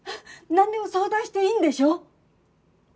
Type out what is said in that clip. なんでも相談していいんでしょ？